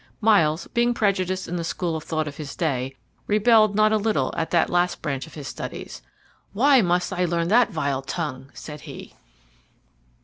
Myles, being prejudiced in the school of thought of his day, rebelled not a little at that last branch of his studies. "Why must I learn that vile tongue?" said he.